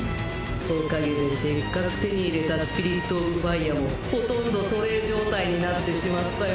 おかげでせっかく手に入れたスピリットオブファイアもほとんど素霊状態になってしまったよ。